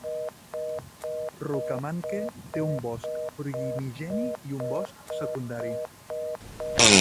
Rucamanque té un bosc primigeni i un bosc secundari.